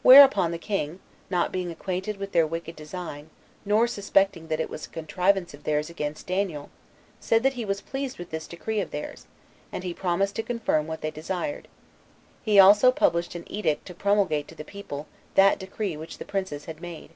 6. Whereupon the king, not being acquainted with their wicked design, nor suspecting that it was a contrivance of theirs against Daniel, said he was pleased with this decree of theirs, and he promised to confirm what they desired; he also published an edict to promulgate to the people that decree which the princes had made.